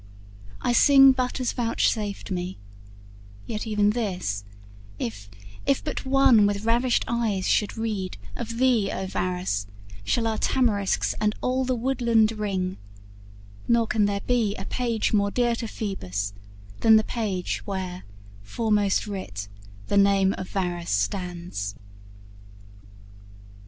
I sing but as vouchsafed me; yet even this If, if but one with ravished eyes should read, Of thee, O Varus, shall our tamarisks And all the woodland ring; nor can there be A page more dear to Phoebus, than the page Where, foremost writ, the name of Varus stands.